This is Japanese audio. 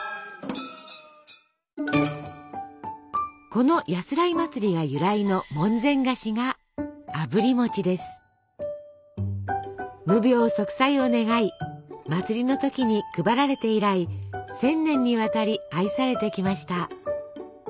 この「やすらい祭」が由来の門前菓子が無病息災を願い祭りの時に配られて以来１，０００年にわたり愛されてきました。